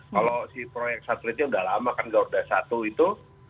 kalau si proyek satelitnya nggak lama kan nggak udah satu itu